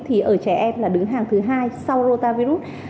ở trẻ em là đứng hàng thứ hai sau rotavirus